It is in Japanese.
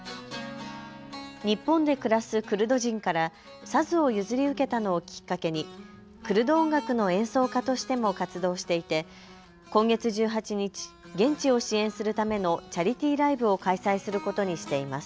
日本で暮らすクルド人からサズを譲り受けたのをきっかけにクルド音楽の演奏家としても活動していて今月１８日、現地を支援するためのチャリティーライブを開催することにしています。